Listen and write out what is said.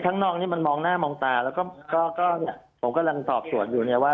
ข้างนอกมันมองหน้ามองตาแล้วผมกำลังตอบส่วนอยู่ว่า